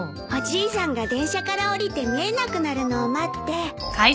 おじいさんが電車から降りて見えなくなるのを待って。